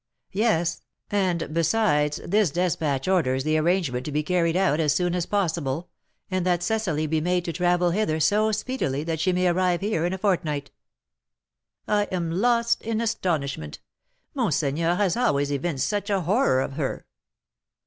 "Yes; and, besides, this despatch orders the arrangement to be carried out as soon as possible, and that Cecily be made to travel hither so speedily that she may arrive here in a fortnight." "I am lost in astonishment! Monseigneur has always evinced such a horror of her!"